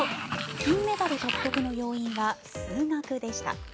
金メダル獲得の要因は数学でした。